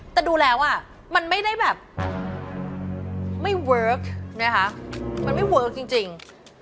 แต่ดูแล้วอ่ะมันไม่ได้แบบไม่เวิร์คนะคะมันไม่เวิร์คจริง